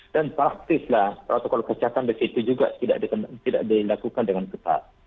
dan praktislah protokol kesehatan di situ juga tidak dilakukan dengan ketat